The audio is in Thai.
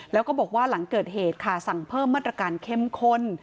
แล้วก็บอกว่าหลังเกิดเหตุค่ะสั่งเพิ่มมาตรการเข้มข้น